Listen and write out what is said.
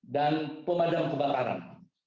dan pemadam kebakaran